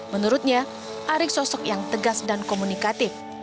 menurutnya arief sosok yang tegas dan komunikatif